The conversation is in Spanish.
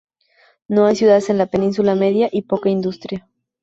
No hay ciudades en la península Media y poca industria.